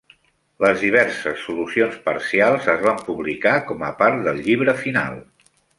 Les diverses solucions parcials es van publicar com a part del llibre final.